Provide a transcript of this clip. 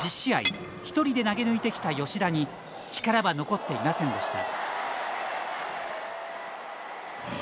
一人で投げ抜いてきた吉田に力は残っていませんでした。